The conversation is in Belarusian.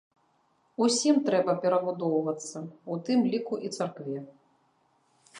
Усім трэба перабудоўвацца, у тым ліку і царкве.